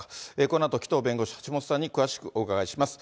このあと紀藤弁護士、橋下さんに詳しくお伺いします。